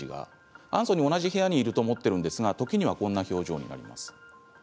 アンソニー、同じ部屋にいると思ってるんですが時にはこんな表情になります。